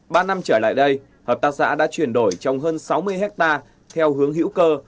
ba năm trở lại đây hợp tác xã đã chuyển đổi trong hơn sáu mươi hectare theo hướng hữu cơ